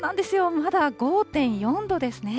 まだ５．４度ですね。